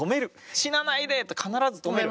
死なないでって必ず止める。